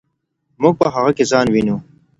موږ په هغه کې ځان وینو.